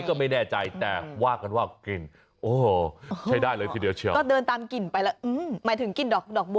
ก็ไม่แน่ใจแต่ว่ากันว่ากลิ่นโอ้โหใช้ได้เลยทีเดียวเชียว